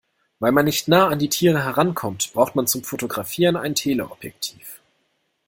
Weil man nicht nah an die Tiere herankommt, braucht man zum Fotografieren ein Teleobjektiv.